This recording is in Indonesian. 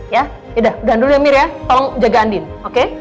yaudah udahan dulu ya mir ya tolong jaga andin oke